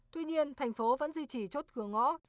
tuy nhiên thành phố vẫn di chỉ chốt cửa ngõ